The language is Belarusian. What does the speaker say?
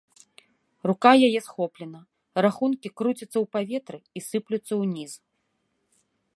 Рука яе схоплена, рахункі круцяцца ў паветры і сыплюцца ўніз.